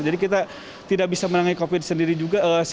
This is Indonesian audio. jadi kita tidak bisa menangani covid sendiri juga